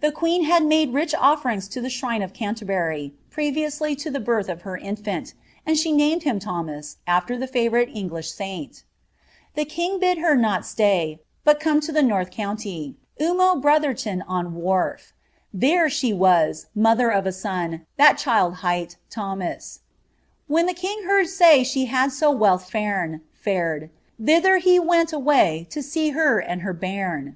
The queen had made rich offerings to the shrine of Canterbury, previously to the birth of her in&nt ; and she named him Thomas, after the favourite English saint' "The king Md her not nay, But come to tbo north countrie, Unto Birothorton on Wherfo, Then was she Mother of a ton, tfast ehild hif^t, * When the king heard my She had to well /ens (&red) Thither he went away To see her and her bairn.